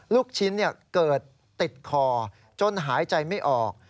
ลูกชิ้นเกิดติดคอจนหายใจไม่ออก